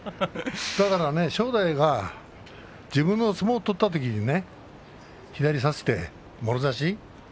正代が自分の相撲を取ったときに左を差してもろ差し。